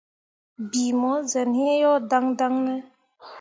Bii mu zen iŋ yo daŋdaŋ ne ?